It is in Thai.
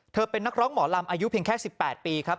เป็นนักร้องหมอลำอายุเพียงแค่๑๘ปีครับ